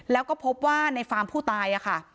แล้วก็พบว่าในฟาร์มผู้ตายค่ะ